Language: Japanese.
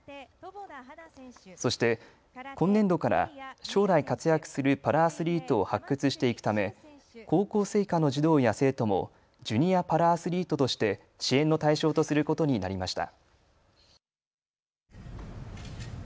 そして今年度から将来、活躍するパラアスリートを発掘していくため高校生以下の児童や生徒もジュニアパラアスリートとして支援の対象とすることになりました。